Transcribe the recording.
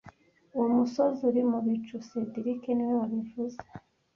Uwo musozi uri mubicu cedric niwe wabivuze